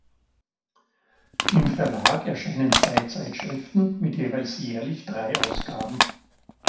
Im Verlag erscheinen zwei Zeitschriften mit jeweils jährlich drei Ausgaben.